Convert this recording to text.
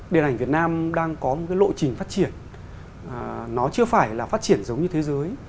điện ảnh việt nam đang có một cái lộ trình phát triển nó chưa phải là phát triển giống như thế giới